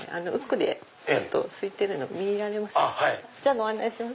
ご案内します。